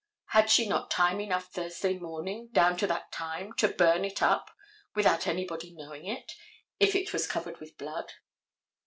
Had not she time enough Thursday morning down to that time to burn it up without anybody knowing it, if it was covered with blood?